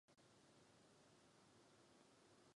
Nebylo nutné mě přerušovat, pane předsedající.